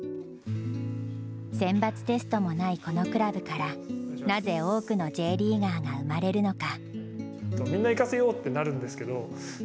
選抜テストもないこのクラブからなぜ多くのＪリーガーが生まれるのか。